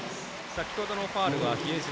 先ほどのファウルは比江島。